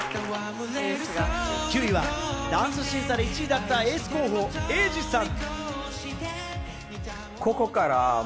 ９位はダンス審査で１位だったエース候補・エイジさん。